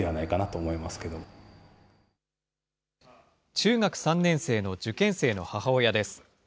中学３年生の受験生の母親です。